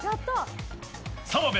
澤部！